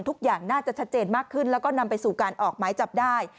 ทุกอย่างน่าจะชัดเจนมากขึ้นแล้วก็นำไปสู่การออกหมายจับได้